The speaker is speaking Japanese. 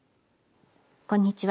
こんにちは。